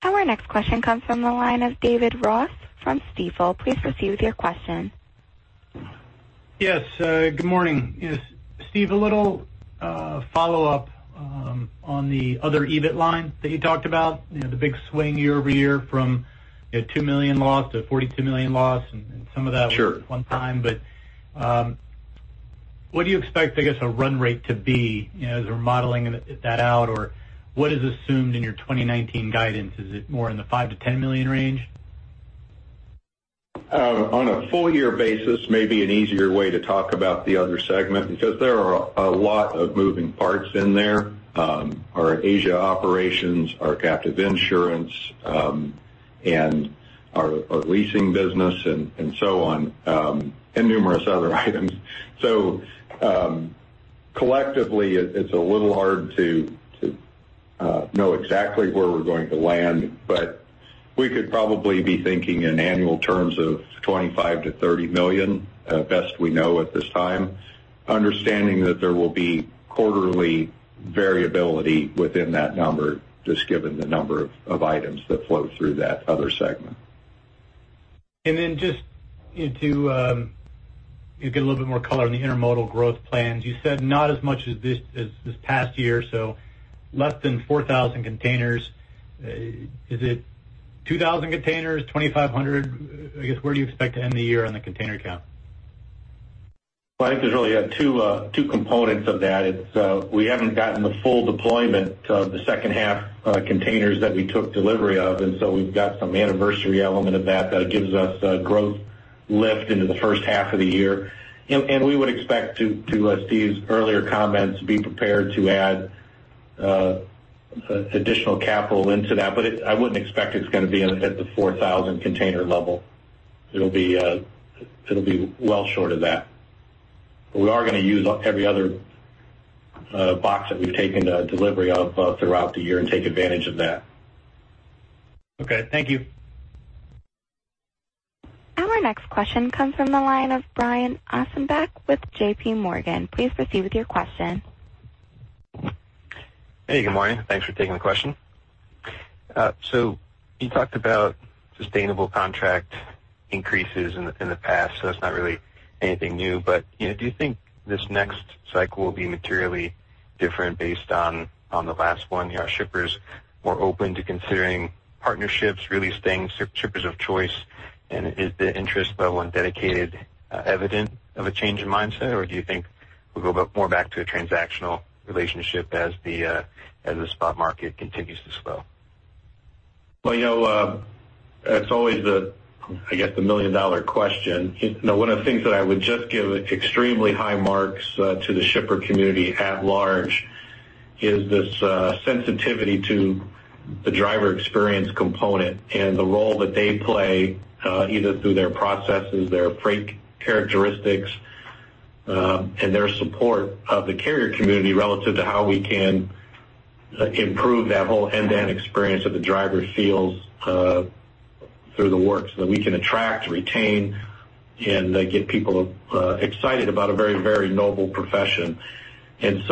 Our next question comes from the line of Dave Ross from Stifel. Please proceed with your question. Yes. Good morning. Steve, a little follow-up on the other EBIT line that you talked about, the big swing year-over-year from $2 million loss to $42 million loss. Some of that was one-time. What do you expect, I guess, a run rate to be as we're modeling that out? Or what is assumed in your 2019 guidance? Is it more in the $5 million-$10 million range? On a full-year basis, maybe an easier way to talk about the other segment because there are a lot of moving parts in there, our Asia operations, our captive insurance, and our leasing business and so on, and numerous other items. So collectively, it's a little hard to know exactly where we're going to land. But we could probably be thinking in annual terms of $25 million-$30 million, best we know at this time, understanding that there will be quarterly variability within that number just given the number of items that flow through that other segment. And then just to get a little bit more color on the intermodal growth plans, you said not as much as this past year, so less than 4,000 containers. Is it 2,000 containers, 2,500? I guess where do you expect to end the year on the container count? Well, I think there's really two components of that. We haven't gotten the full deployment of the second half containers that we took delivery of. And so we've got some anniversary element of that that gives us a growth lift into the first half of the year. And we would expect to, Steve's earlier comments, be prepared to add additional capital into that. But I wouldn't expect it's going to be at the 4,000-container level. It'll be well short of that. But we are going to use every other box that we've taken delivery of throughout the year and take advantage of that. Okay. Thank you. Our next question comes from the line of Brian Ossenbeck with J.P. Morgan. Please proceed with your question. Hey. Good morning. Thanks for taking the question. So you talked about sustainable contract increases in the past. So that's not really anything new. But do you think this next cycle will be materially different based on the last one? Are shippers more open to considering partnerships, realizing shippers of choice? And is the interest level and dedicated evident? Of a change in mindset? Or do you think we'll go more back to a transactional relationship as the spot market continues to slow? Well, it's always the, I guess, the million-dollar question. One of the things that I would just give extremely high marks to the shipper community at large is this sensitivity to the driver experience component and the role that they play either through their processes, their freight characteristics, and their support of the carrier community relative to how we can improve that whole end-to-end experience that the driver feels through the work so that we can attract, retain, and get people excited about a very, very noble profession. And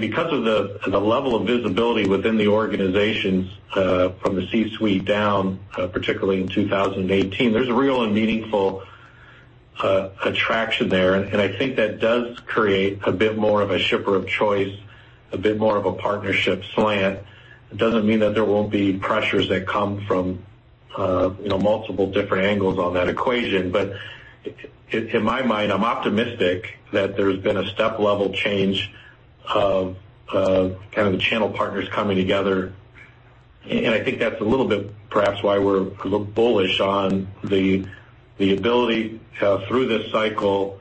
because of the level of visibility within the organizations from the C-suite down, particularly in 2018, there's a real and meaningful attraction there. And I think that does create a bit more of a shipper of choice, a bit more of a partnership slant. It doesn't mean that there won't be pressures that come from multiple different angles on that equation. But in my mind, I'm optimistic that there's been a step-level change of kind of the channel partners coming together. And I think that's a little bit perhaps why we're a little bullish on the ability through this cycle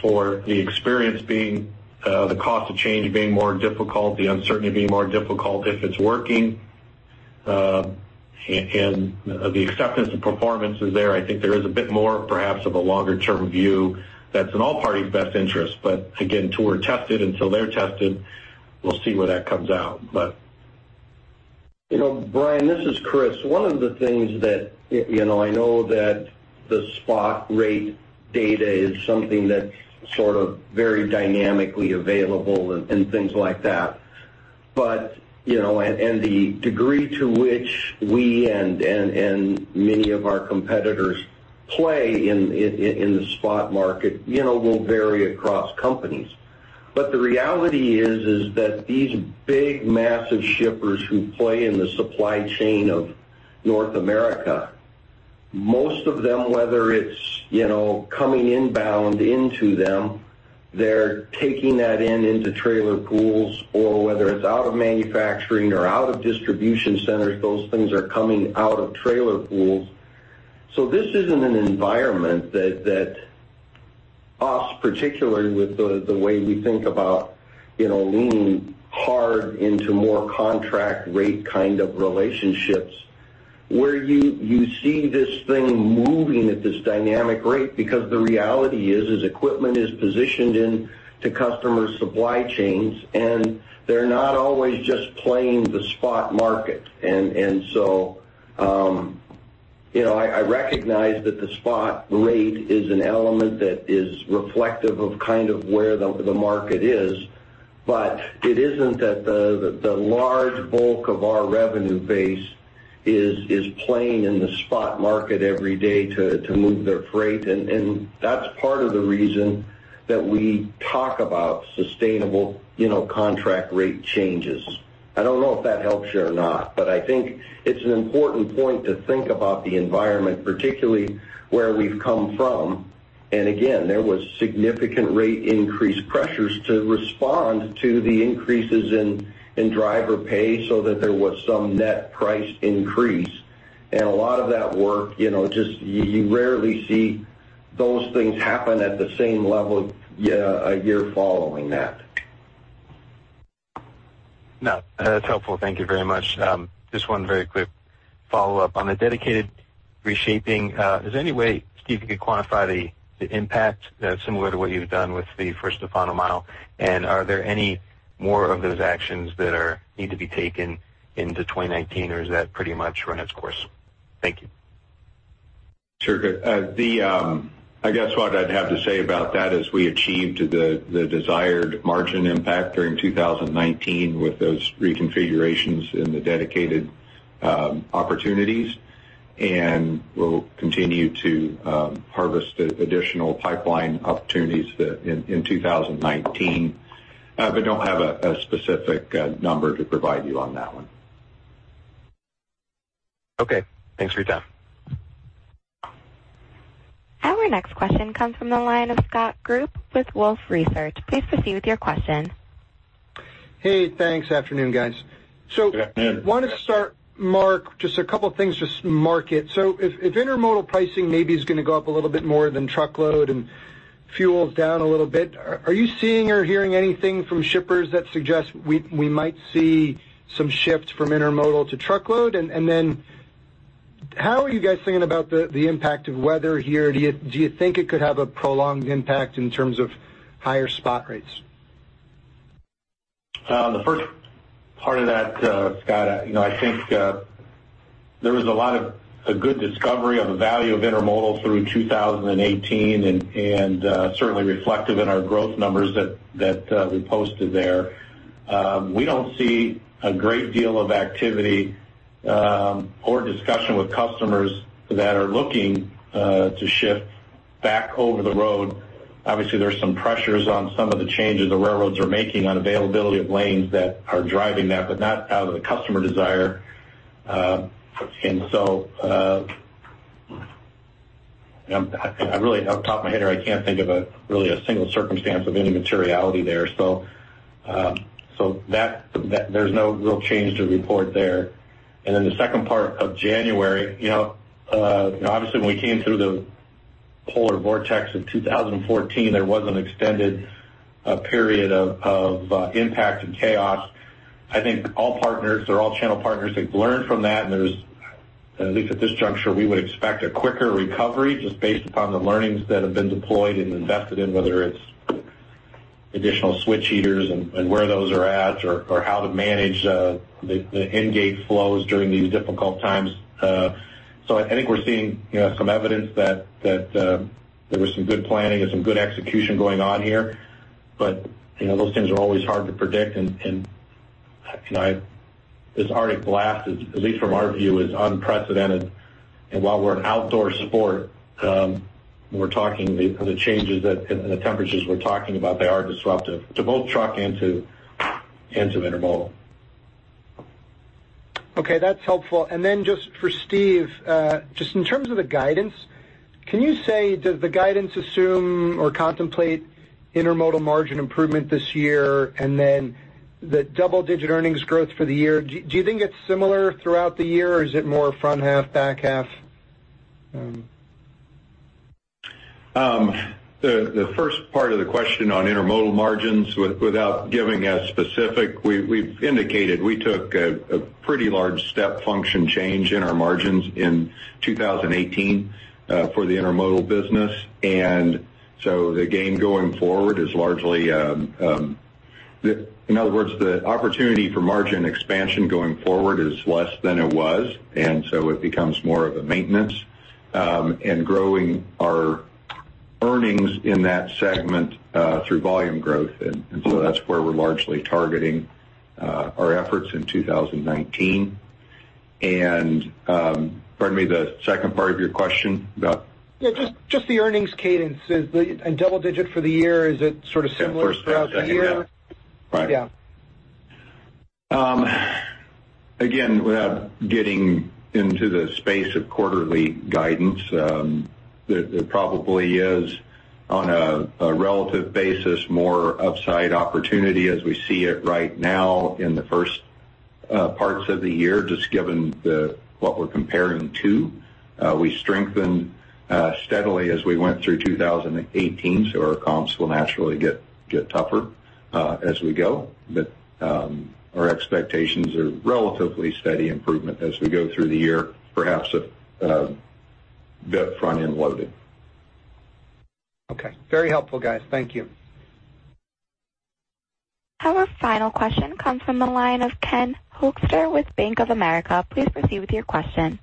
for the cost of change being more difficult, the uncertainty being more difficult if it's working, and the acceptance of performance is there. I think there is a bit more perhaps of a longer-term view that's in all parties' best interest. But again, tools are tested until they're tested. We'll see where that comes out, but. Brian, this is Chris. One of the things that I know that the spot rate data is something that's sort of very dynamically available and things like that. And the degree to which we and many of our competitors play in the spot market will vary across companies. But the reality is that these big, massive shippers who play in the supply chain of North America, most of them, whether it's coming inbound into them, they're taking that in into trailer pools. Or whether it's out of manufacturing or out of distribution centers, those things are coming out of trailer pools. So this isn't an environment that us, particularly with the way we think about leaning hard into more contract rate kind of relationships, where you see this thing moving at this dynamic rate because the reality is equipment is positioned into customers' supply chains. They're not always just playing the spot market. So I recognize that the spot rate is an element that is reflective of kind of where the market is. But it isn't that the large bulk of our revenue base is playing in the spot market every day to move their freight. That's part of the reason that we talk about sustainable contract-rate changes. I don't know if that helps you or not. But I think it's an important point to think about the environment, particularly where we've come from. Again, there was significant rate increase pressures to respond to the increases in driver pay so that there was some net price increase. A lot of that work, you rarely see those things happen at the same level a year following that. No. That's helpful. Thank you very much. Just one very quick follow-up on the dedicated reshaping. Is there any way, Steve, you could quantify the impact similar to what you've done with the First to Final Mile? And are there any more of those actions that need to be taken into 2019? Or is that pretty much run its course? Thank you. Sure. I guess what I'd have to say about that is we achieved the desired margin impact during 2019 with those reconfigurations in the dedicated opportunities. We'll continue to harvest additional pipeline opportunities in 2019. Don't have a specific number to provide you on that one. Okay. Thanks for your time. Our next question comes from the line of Scott Group with Wolfe Research. Please proceed with your question. Hey. Thanks. Afternoon, guys. So I want to start, Mark, just a couple of things, just mark it. So if intermodal pricing maybe is going to go up a little bit more than truckload and fuel's down a little bit, are you seeing or hearing anything from shippers that suggests we might see some shift from intermodal to truckload? And then how are you guys thinking about the impact of weather here? Do you think it could have a prolonged impact in terms of higher spot rates? The first part of that, Scott, I think there was a lot of good discovery of the value of intermodal through 2018 and certainly reflective in our growth numbers that we posted there. We don't see a great deal of activity or discussion with customers that are looking to shift back over the road. Obviously, there's some pressures on some of the changes the railroads are making on availability of lanes that are driving that, but not out of the customer desire. And so off the top of my head, I can't think of really a single circumstance of any materiality there. So there's no real change to report there. And then the second part of January, obviously, when we came through the polar vortex of 2014, there was an extended period of impact and chaos. I think all partners, they're all channel partners, they've learned from that. And at least at this juncture, we would expect a quicker recovery just based upon the learnings that have been deployed and invested in, whether it's additional switch heaters and where those are at or how to manage the ingate flows during these difficult times. So I think we're seeing some evidence that there was some good planning and some good execution going on here. But those things are always hard to predict. And this Arctic blast, at least from our view, is unprecedented. And while we're an outdoor sport, the changes and the temperatures we're talking about, they are disruptive to both truck and to intermodal. Okay. That's helpful. And then just for Steve, just in terms of the guidance, can you say does the guidance assume or contemplate intermodal margin improvement this year and then the double-digit earnings growth for the year? Do you think it's similar throughout the year? Or is it more front half, back half? The first part of the question on intermodal margins, without giving a specific, we've indicated we took a pretty large step function change in our margins in 2018 for the intermodal business. And so the game going forward is largely in other words, the opportunity for margin expansion going forward is less than it was. And so it becomes more of a maintenance and growing our earnings in that segment through volume growth. And so that's where we're largely targeting our efforts in 2019. And pardon me, the second part of your question about. Yeah. Just the earnings cadence. Double-digit for the year, is it sort of similar throughout the year? Yeah. First half, yeah. Yeah. Again, without getting into the space of quarterly guidance, there probably is, on a relative basis, more upside opportunity as we see it right now in the first parts of the year, just given what we're comparing to. We strengthened steadily as we went through 2018. So our comps will naturally get tougher as we go. But our expectations are relatively steady improvement as we go through the year, perhaps a bit front-end loaded. Okay. Very helpful, guys. Thank you. Our final question comes from the line of Ken Hoexter with Bank of America. Please proceed with your question.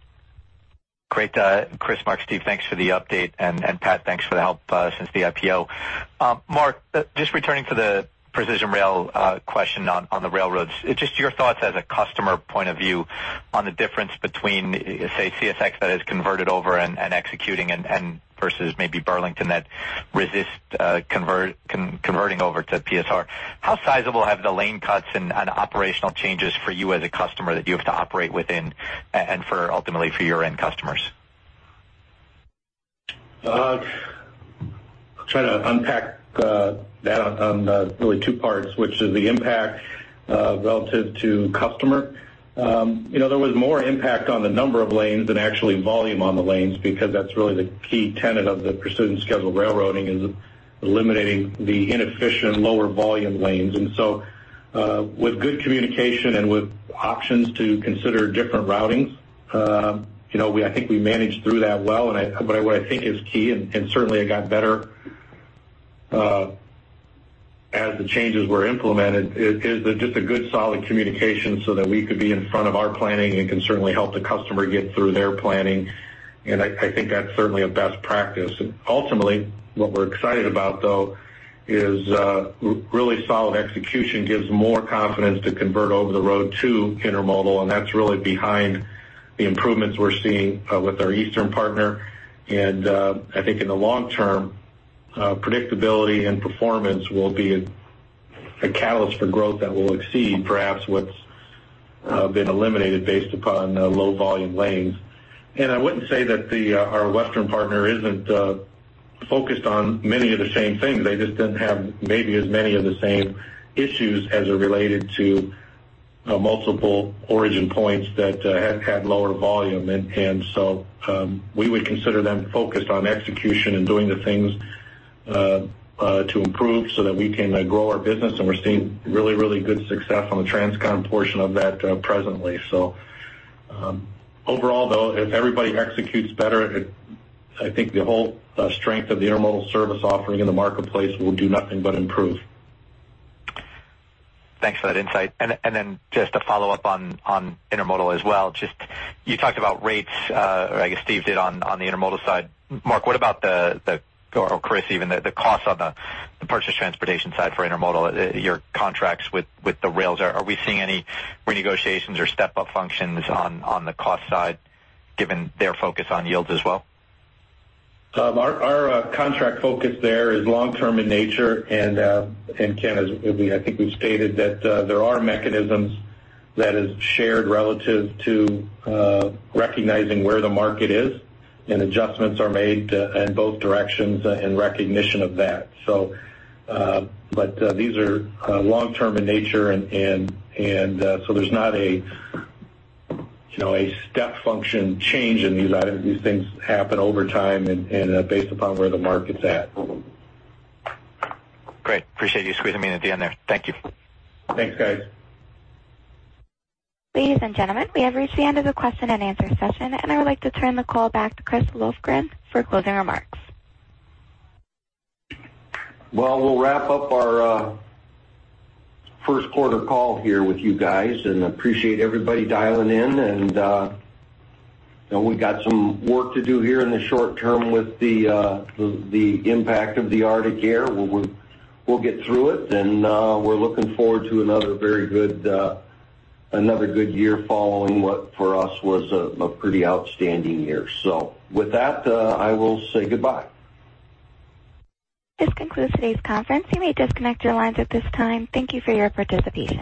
Great. Chris, Mark, Steve, thanks for the update. And Pat, thanks for the help since the IPO. Mark, just returning to the Precision Rail question on the railroads, just your thoughts as a customer point of view on the difference between, say, CSX that has converted over and executing versus maybe Burlington that resists converting over to PSR. How sizable have the lane cuts and operational changes for you as a customer that you have to operate within and ultimately for your end customers? I'll try to unpack that on really two parts, which is the impact relative to customer. There was more impact on the number of lanes than actually volume on the lanes because that's really the key tenet of the Precision Scheduled Railroading, is eliminating the inefficient, lower-volume lanes. And so with good communication and with options to consider different routings, I think we managed through that well. But what I think is key, and certainly, it got better as the changes were implemented, is just a good, solid communication so that we could be in front of our planning and can certainly help the customer get through their planning. And I think that's certainly a best practice. Ultimately, what we're excited about, though, is really solid execution gives more confidence to convert over the road to intermodal. And that's really behind the improvements we're seeing with our eastern partner. I think, in the long term, predictability and performance will be a catalyst for growth that will exceed perhaps what's been eliminated based upon low-volume lanes. I wouldn't say that our western partner isn't focused on many of the same things. They just didn't have maybe as many of the same issues as are related to multiple origin points that had lower volume. So we would consider them focused on execution and doing the things to improve so that we can grow our business. We're seeing really, really good success on the Transcon portion of that presently. So overall, though, if everybody executes better, I think the whole strength of the intermodal service offering in the marketplace will do nothing but improve. Thanks for that insight. And then just to follow up on intermodal as well, you talked about rates. I guess Steve did on the intermodal side. Mark, what about the or Chris, even, the costs on the purchased transportation side for intermodal, your contracts with the rails? Are we seeing any renegotiations or step-up functions on the cost side given their focus on yields as well? Our contract focus there is long-term in nature. Ken, I think we've stated that there are mechanisms that is shared relative to recognizing where the market is. And adjustments are made in both directions in recognition of that. But these are long-term in nature. And so there's not a step function change in these items. These things happen over time based upon where the market's at. Great. Appreciate you squeezing me in at the end there. Thank you. Thanks, guys. Ladies and gentlemen, we have reached the end of the question-and-answer session. I would like to turn the call back to Chris Lofgren for closing remarks. Well, we'll wrap up our first-quarter call here with you guys. And appreciate everybody dialing in. And we've got some work to do here in the short term with the impact of the Arctic air. We'll get through it. And we're looking forward to another very good year following what, for us, was a pretty outstanding year. So with that, I will say goodbye. This concludes today's conference. You may disconnect your lines at this time. Thank you for your participation.